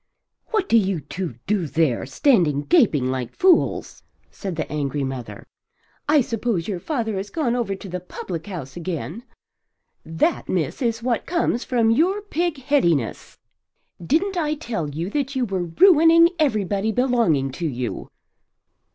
"What do you two do there, standing gaping like fools?" said the angry mother. "I suppose your father has gone over to the public house again. That, miss, is what comes from your pigheadedness. Didn't I tell you that you were ruining everybody belonging to you?"